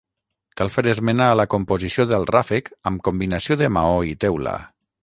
Cal fer esmena a la composició del ràfec amb combinació de maó i teula.